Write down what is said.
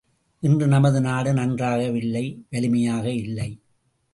இன்று நமது நாடு நன்றாக இல்லை வலிமையாக இல்லை!